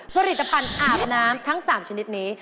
ผลิตภัณฑ์อาบน้ำทั้ง๓ชนิดนี้